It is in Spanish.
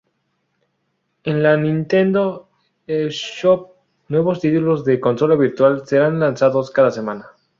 En la Nintendo eShop, nuevos títulos de Consola Virtual serán lanzados cada semana.